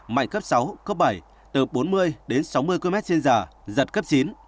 mạnh cấp sáu cấp bảy từ bốn mươi sáu mươi km trên giờ